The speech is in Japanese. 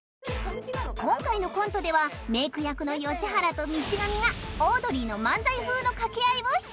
今回のコントではメイク役の吉原と道上がオードリーの漫才風の掛け合いを披露